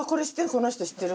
この人知ってる？